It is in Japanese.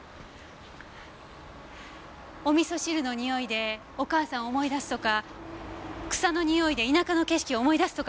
お味噌汁のにおいでお母さんを思い出すとか草のにおいで田舎の景色を思い出すとか言うでしょう？